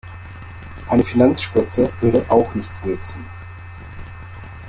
Eine Finanzspritze würde auch nichts nützen.